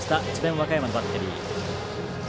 和歌山のバッテリー。